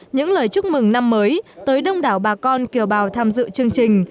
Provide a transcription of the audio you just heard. những lời chúc mừng năm mới tới đông đảo bà con kiều bào tham dự chương trình